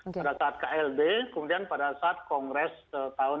pada saat klb kemudian pada saat kongres tahun dua ribu dua